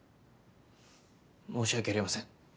申し訳ありません。